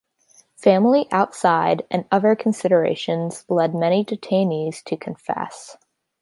Family outside and other considerations led many detainees to confess.